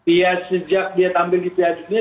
iya sejak dia tampil gitu ya